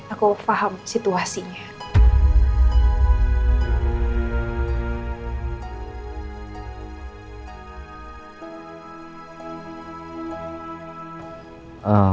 aku paham situasinya